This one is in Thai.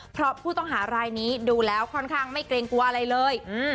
เพราะผู้ต้องหารายนี้ดูแล้วค่อนข้างไม่เกรงกลัวอะไรเลย